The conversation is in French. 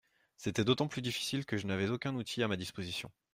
C’était d’autant plus difficile que je n’avais aucun outil à ma disposition.